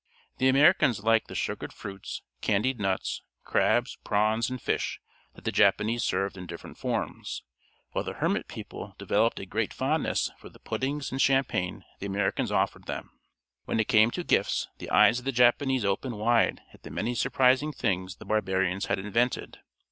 The Americans liked the sugared fruits, candied nuts, crabs, prawns, and fish that the Japanese served in different forms, while the hermit people developed a great fondness for the puddings and champagne the Americans offered them. When it came to gifts, the eyes of the Japanese opened wide at the many surprising things the barbarians had invented.